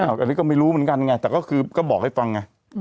อันนี้ก็ไม่รู้เหมือนกันไงแต่ก็คือก็บอกให้ฟังไง